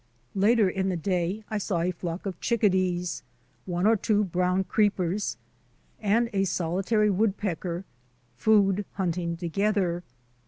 Later in the day I saw a flock of chickadees, one or two brown creepers, and a solitary woodpecker food hunting together.